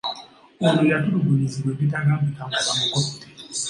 Ono yatulugunyizibwa ebitagambika nga bamukute.